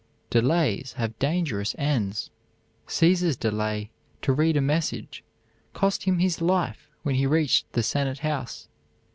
"Delays have dangerous ends." Caesar's delay to read a message cost him his life when he reached the senate house.